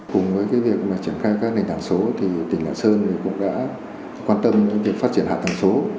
cùng với cái việc mà triển khai các lĩnh đảng số thì tỉnh lạ sơn thì cũng đã quan tâm những việc phát triển hạ tầng số